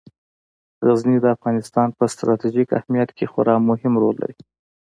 غزني د افغانستان په ستراتیژیک اهمیت کې خورا مهم رول لري.